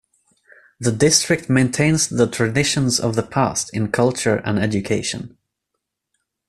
The district maintains the traditions of the past in culture and education.